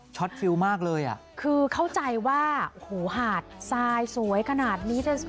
ฟิลมากเลยอ่ะคือเข้าใจว่าโอ้โหหาดทรายสวยขนาดนี้